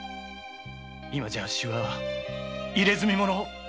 今じゃあっしは入れ墨者。